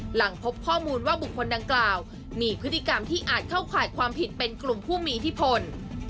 หลังพบข้อมูลว่าบุคคลดังกล่าวมีพฤติกรรมที่อาจเข้าข่ายความผิดเป็นกลุ่มผู้มีอิทธิพล